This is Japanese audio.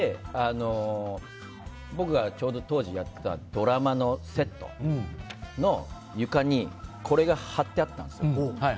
僕がちょうど当時やってたドラマのセットの床にこれが張ってあったんです。